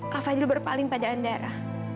kak fadil berpaling pada andara